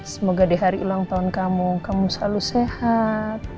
semoga di hari ulang tahun kamu kamu selalu sehat